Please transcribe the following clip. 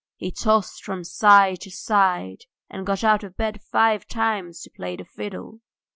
He tossed from side to side, and got out of bed five times to play the fiddle.